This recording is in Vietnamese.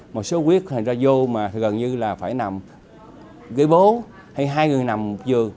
một số huyết ra vô mà gần như phải nằm gây bố hay hai người nằm giường